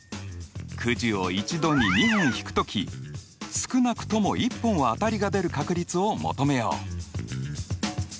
くじを１度に２本引くとき少なくとも１本は当たりが出る確率を求めよう。